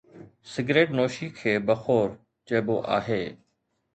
Cigarette نوشي کي بخور چئبو آهي.